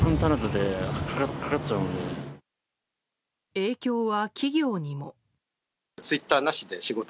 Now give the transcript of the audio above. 影響は企業にも。